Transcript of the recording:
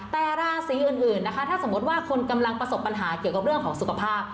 แต่ราศีอื่นนะคะถ้าสมมติว่าคุณกำลังประสบปัญหาเกี่ยวกับเรื่องของสุขภาพ